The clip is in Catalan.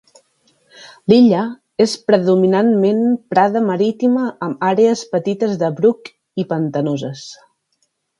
L'illa és predominantment prada marítima amb àrees petites de bruc i pantanoses.